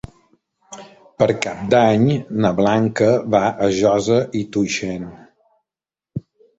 Per Cap d'Any na Blanca va a Josa i Tuixén.